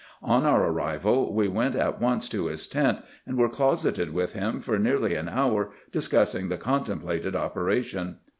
On our arrival we went at once to his tent, and were closeted with him for nearly an hour discussing the contemplated operation.